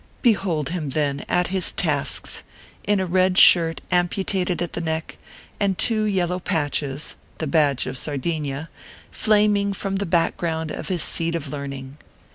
Behold him, then, at his tasks, in a red shirt am putated at the neck, and two yellow patches (the badge of Sardinia) flaming from the background of his seat of learning.